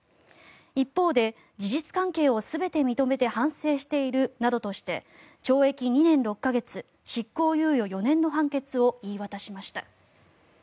一方で事実関係を全て認めて反省しているなどとして懲役２年６か月執行猶予４年の判決を言い渡しました。